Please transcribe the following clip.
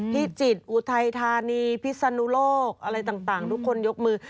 พิจิตรอุทัยธานีพิศนุโลกอะไรต่างทุกคนยกมือ